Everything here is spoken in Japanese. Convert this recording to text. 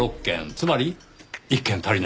つまり１県足りない。